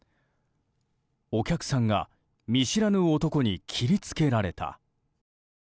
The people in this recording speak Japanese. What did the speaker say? お客さんが見知らぬ男に切り付けられた。